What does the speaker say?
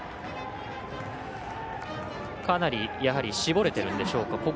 かなり、絞れてるんでしょうか。